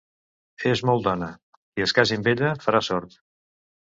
És molt dona: qui es casi amb ella farà sort!